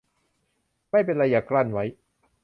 ไม่เป็นไรอย่ากลั้นไว้ !